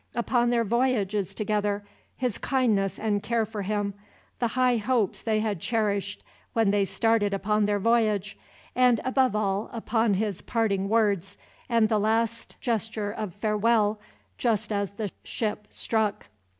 Upon their voyages together, his kindness and care for him, the high hopes they had cherished when they started upon their voyage, and above all upon his parting words, and the last gesture of farewell, just as the ship struck.